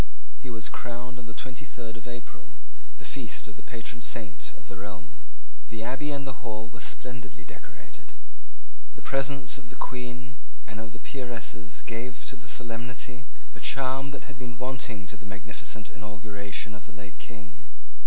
He was crowned on the twenty third of April, the feast of the patron saint of the realm. The Abbey and the Hall were splendidly decorated. The presence of the Queen and of the peeresses gave to the solemnity a charm which had been wanting to the magnificent inauguration of the late King.